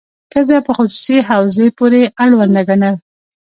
ښځه په خصوصي حوزې پورې اړونده ګڼل.